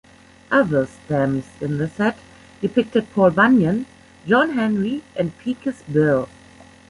Other stamps in the set depicted Paul Bunyan, John Henry, and Pecos Bill.